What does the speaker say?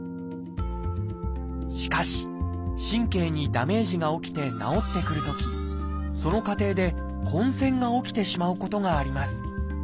しかし神経にダメージが起きて治ってくるときその過程で混線が起きてしまうことがあります。